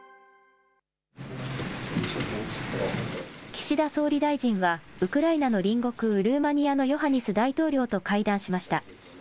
岸田総理大臣は、ウクライナの隣国、ルーマニアのヨハニス大統領と会談しました。